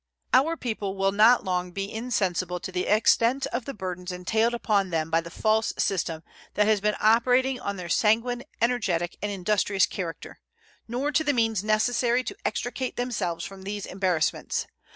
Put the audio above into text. Our people will not long be insensible to the extent of the burdens entailed upon them by the false system that has been operating on their sanguine, energetic, and industrious character, nor to the means necessary to extricate themselves from these embarrassments.